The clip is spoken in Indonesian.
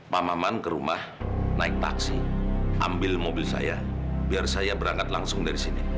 pak maman ke rumah naik taksi ambil mobil saya biar saya berangkat langsung dari sini